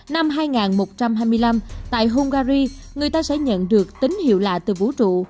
năm hai nghìn một trăm hai mươi năm tại hungary người ta sẽ nhận được tính hiệu lạ từ vũ trụ